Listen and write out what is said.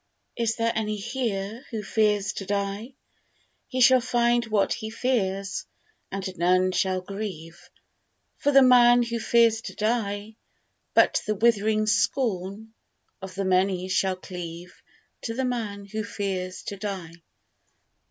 Is there any here who fears to die He shall find what he fears, and none shall grieve For the man who fears to die: But the withering scorn of the many shall cleave To the man who fears to die.